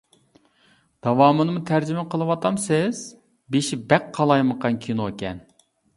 داۋامىنىمۇ تەرجىمە قىلىۋاتامسىز؟ بېشى بەك قالايمىقان كىنوكەن.